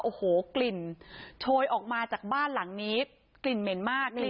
โอ้โหกลิ่นโชยออกมาจากบ้านหลังนี้กลิ่นเหม็นมากนี่